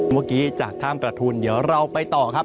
เมื่อกี้จากถ้ำประทุนเดี๋ยวเราไปต่อครับ